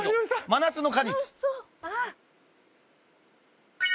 「真夏の果実」